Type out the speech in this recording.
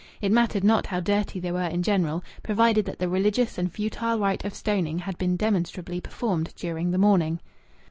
It mattered not how dirty they were in general, provided that the religious and futile rite of stoning had been demonstrably performed during the morning.